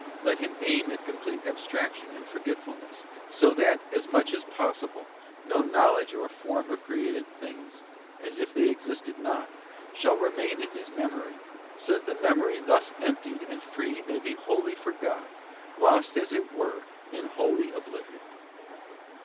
Let him aim at complete abstraction and forgetfulness; so that, as much as possible, no knowledge or form of created things —as if they existed not—shall remain in his Memory, so that the memory thus emptied and free may be wholly for God, lost as it were, in holy oblivion.